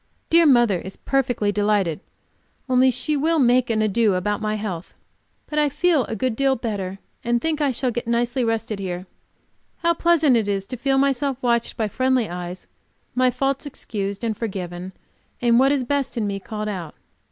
Dear mother is perfectly delighted, only she will make an ado about my health. But I feel a good deal better, and think I shall get nicely rested here. How pleasant it is to feel myself watched by friendly eyes, my faults excused and forgiven, and what is best in me called out.